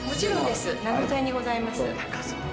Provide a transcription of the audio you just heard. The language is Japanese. ７階にございます。